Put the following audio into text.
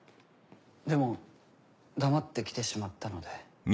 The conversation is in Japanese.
でも黙って来てしまったので。